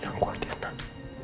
yang kuatian nak